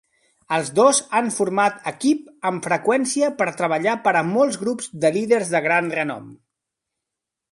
Els dos han format equip amb freqüència per treballar per a molts grups de líders de gran renom.